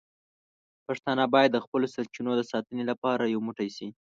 پښتانه باید د خپلو سرچینو د ساتنې لپاره یو موټی شي.